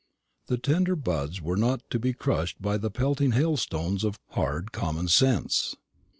The tender buds were not to be crushed by the pelting hailstones of hard common sense.